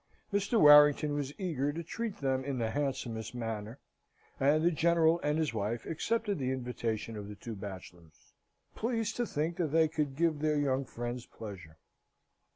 Mr. Warrington was eager to treat them in the handsomest manner, and the General and his wife accepted the invitation of the two bachelors, pleased to think that they could give their young friends pleasure.